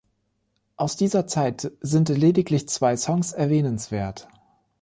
Aus dieser Zeit sind lediglich zwei Songs erwähnenswert.